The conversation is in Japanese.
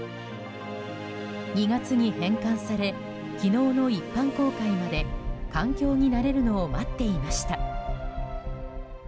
２月に返還され昨日の一般公開まで環境に慣れるのを待っていました。